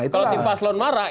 kalau tim paslon marah